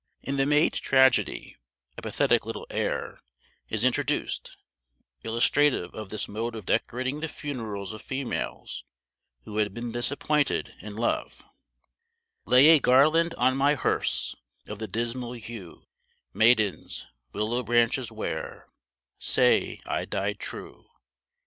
In The Maid's Tragedy, a pathetic little air, is introduced, illustrative of this mode of decorating the funerals of females who had been disappointed in love: Lay a garland on my hearse Of the dismall yew, Maidens, willow branches wear, Say I died true.